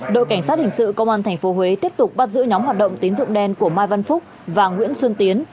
đội cảnh sát hình sự công an tp huế tiếp tục bắt giữ nhóm hoạt động tín dụng đen của mai văn phúc và nguyễn xuân tiến